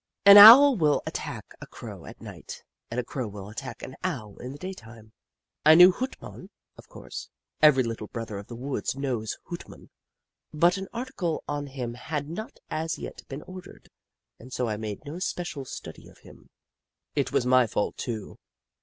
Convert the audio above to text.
An Owl will attack a Crow at nio; ht and a Crow will attack an Owl in the daytime. I knew Hoot Mon, of course — every Little Brother of the Woods knows Hoot Mon, — but an article on him had not as yet been ordered, and so I made no special study of him. It was my fault, too.